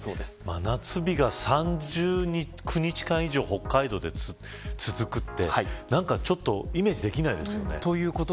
真夏日が３９日間以上北海道で続くってなんかちょっとイメージできませんね。